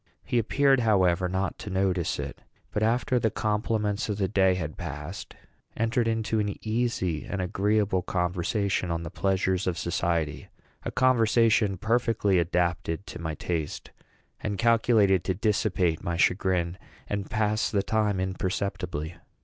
He appeared, however, not to notice it, but, after the compliments of the day had passed, entered into an easy and agreeable conversation on the pleasures of society a conversation perfectly adapted to my taste, and calculated to dissipate my chagrin and pass the time imperceptibly.